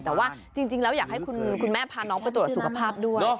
แต่ว่าจริงแล้วอยากให้คุณแม่พาน้องไปตรวจสุขภาพด้วย